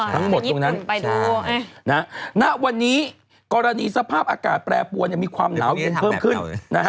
อ๋อทั้งหมดตรงนั้นในวันนี้กรณีสภาพอากาศแปรปัวมีความหนาวยังเพิ่มขึ้น